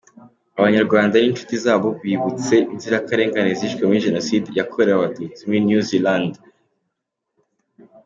Abanyarwanda n’inshuti zabo bibutse inzirakarengane zishwe muri Jenoside yakorewe Abatutsi muri New Zealand.